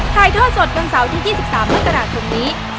ถ่ายทอดสดวันเสาร์ที่๒๓มกราคมนี้